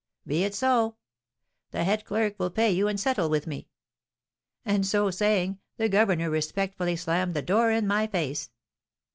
"Be it so; the head clerk will pay you and settle with me." And so saying, the governor respectfully slammed the door in my face.'